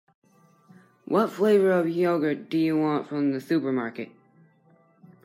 What flavour of yoghurt do you want from the supermarket?